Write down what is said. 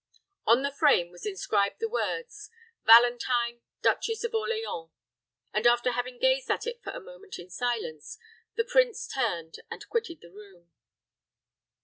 On the frame was inscribed the words, "Valentine, Duchess of Orleans;" and, after having gazed at it for a moment in silence, the prince turned and quitted the room.